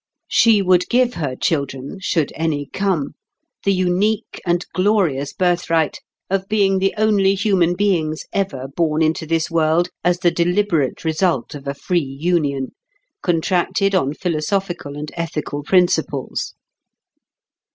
She would give her children, should any come, the unique and glorious birthright of being the only human beings ever born into this world as the deliberate result of a free union, contracted on philosophical and ethical principles.